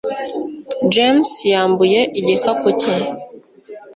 James yambuye igikapu cye